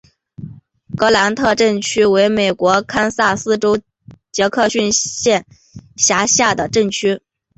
格兰特镇区为美国堪萨斯州杰克逊县辖下的镇区。